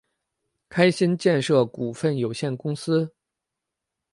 开心建设股份有限公司